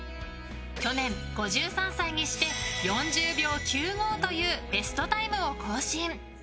去年、５３歳にして４０秒９５というベストタイムを更新。